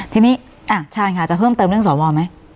ทีนี้ชาญค่ะจะเพิ่มเติมเรื่องสวไหม